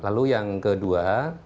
lalu yang kedua